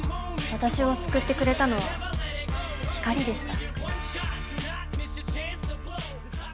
私を救ってくれたのは光でした。